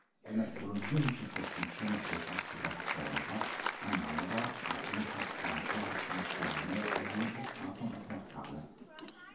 È una tipologia di circoscrizione ecclesiastica cattolica analoga all'esarcato arcivescovile e all'esarcato patriarcale.